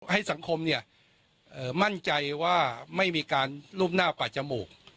ให้สังคมมั่นใจว่าไม่มีการรูปหน้าป่าจมูก